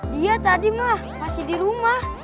dia tadi mah masih di rumah